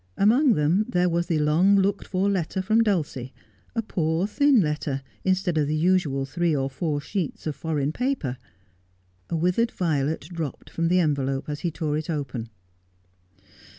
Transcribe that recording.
Among tbem there was the long looked for letter from Dulcie, a poor thin letter, instead of the usual three or four sheets of foreign paper. A withered violet dropped from the envelope as he tore it open.